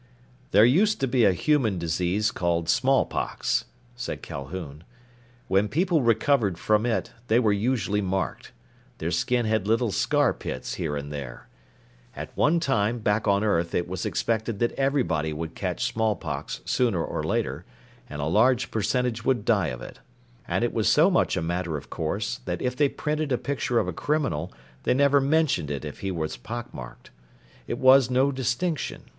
"There used to be a human disease called smallpox," said Calhoun. "When people recovered from it, they were usually marked. Their skin had little scar pits here and there. At one time, back on Earth, it was expected that everybody would catch smallpox sooner or later, and a large percentage would die of it. "And it was so much a matter of course that if they printed a picture of a criminal they never mentioned it if he were pock marked. It was no distinction.